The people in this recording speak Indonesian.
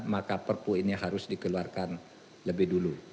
maka perpu ini harus dikeluarkan lebih dulu